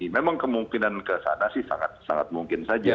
memang kemungkinan kesana sih sangat sangat mungkin saja